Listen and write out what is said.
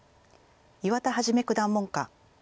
岩田一九段門下。